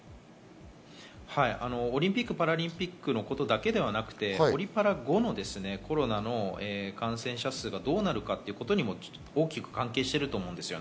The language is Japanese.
オリンピック・パラリンピックのことだけではなくて、オリパラ後のコロナの感染者数がどうなるかということにも大きく関係していると思います。